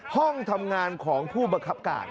ห้องทำงานของผู้บังคับการ